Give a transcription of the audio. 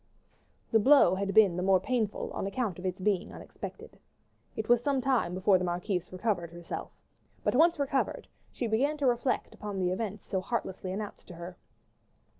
The blow had been the more painful on account of its being unexpected. It was some time before the marquise recovered herself; but once recovered, she began to reflect upon the events so heartlessly announced to her.